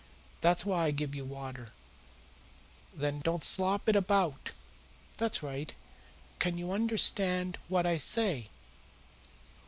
That's why I give you water. There, don't slop it about! That's right. Can you understand what I say?"